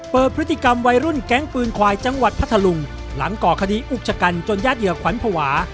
พฤติกรรมวัยรุ่นแก๊งปืนควายจังหวัดพัทธลุงหลังก่อคดีอุกชะกันจนญาติเหยื่อขวัญภาวะ